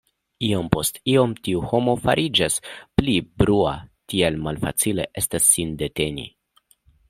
Iom post iom tiu homo fariĝas pli brua; tiel malfacile estas sin deteni!